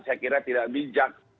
saya kira tidak bijak